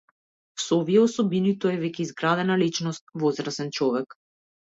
Со овие особини, тој е веќе изградена личност, возрасен човек.